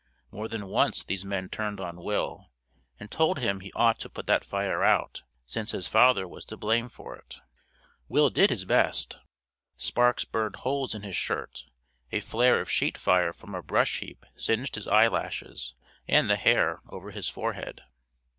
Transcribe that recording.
More than once these men turned on Will, and told him he ought to put that fire out, since his father was to blame for it. Will did his best. Sparks burned holes in his shirt; a flare of sheet fire from a brush heap singed his eyelashes and the hair over his forehead.